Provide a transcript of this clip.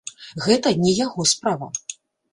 Гэта не яго справа!